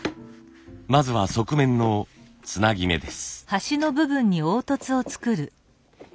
まずは側面のつなぎ目です。